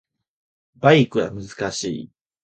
バイクは難しい